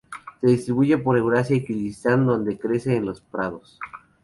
Se distribuye por Eurasia y Kirguistán donde crece en los prados.